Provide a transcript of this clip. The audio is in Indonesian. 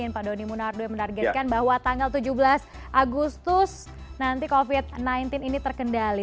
pak doni munardo yang menargetkan bahwa tanggal tujuh belas agustus nanti covid sembilan belas ini terkendali